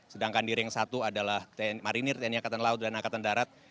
sedangkan di ring satu adalah tni marinir tni angkatan laut dan angkatan darat